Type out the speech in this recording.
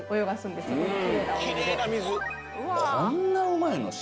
こんなうまいの⁉鹿。